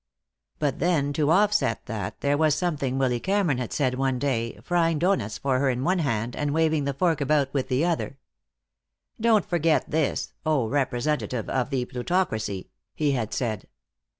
But then to offset that there was something Willy Cameron had said one day, frying doughnuts for her with one hand, and waving the fork about with the other. "Don't forget this, oh representative of the plutocracy," he had said.